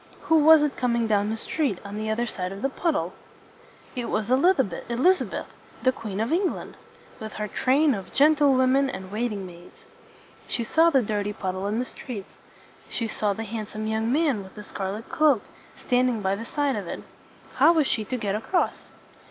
Who was it coming down the street, on the other side of the puddle? It was E liz a beth, the Queen of England, with her train of gen tle wom en and waiting maids. She saw the dirty puddle in the street. She saw the handsome young man with the scar let cloak, stand ing by the side of it. How was she to get across?